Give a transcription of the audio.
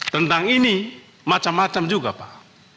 tentang ini macam macam juga pak